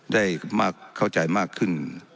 ได้มากเข้าใจมากขึ้น